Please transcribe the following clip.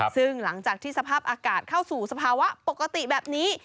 ซึ่งหลังจากที่สภาพอากาศเข้าสู่สภาวะปกติแบบนี้